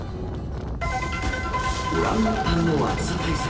オランウータンの暑さ対策。